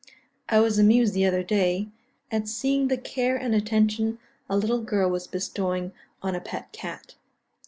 I was amused the other day, at seeing the care and attention a little girl was bestowing on a pet cat.